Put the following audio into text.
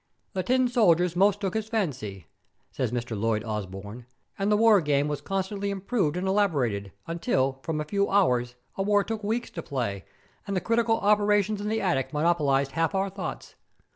'The tin soldiers most took his fancy,' says Mr. Lloyd Osbourne, 'and the war game was constantly improved and elaborated, until, from a few hours, a war took weeks to play, and the critical operations in the attic monopolized half our thoughts.